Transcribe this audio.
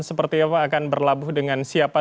seperti apa akan berlabuh dengan siapa